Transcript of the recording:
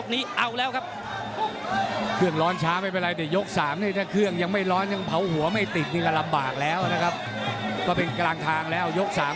นะครับก็เป็นกลางทางแล้ว